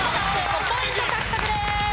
５ポイント獲得です。